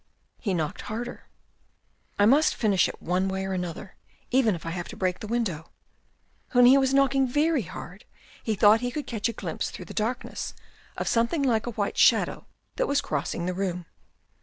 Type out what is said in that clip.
He knocked harder. I must finish it one way or another, even if I have to break the window. When he was knocking very hard, he thought he could catch a glimpse through the darkness of something like a white shadow that was crossing the room.